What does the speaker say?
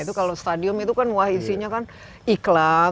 itu kalau stadium itu kan isinya kan iklan